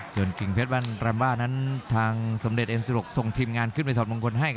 ส่วนกิ่งเพชรวันแรมว่านั้นทางสมเด็จเอ็มซิลกส่งทีมงานขึ้นไปถอดมงคลให้